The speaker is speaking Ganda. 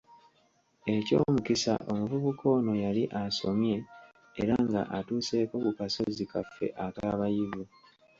Eky'omukisa omuvubuka ono yali asomye era nga atuuseeko ku" kasozi" kaffe akabayivu